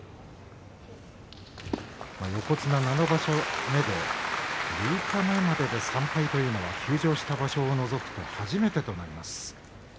横綱７場所目で六日目までで３敗というのは休場した場所を除くと初めてとなります。